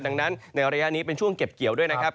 ดังนั้นในระยะนี้เป็นช่วงเก็บเกี่ยวด้วยนะครับ